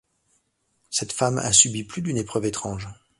Cette femme a subi plus d'une épreuve étrange